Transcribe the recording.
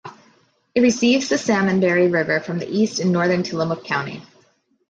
It receives the Salmonberry River from the east in northern Tillamook County.